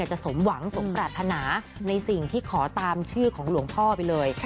สมหวังสมปรารถนาในสิ่งที่ขอตามชื่อของหลวงพ่อไปเลย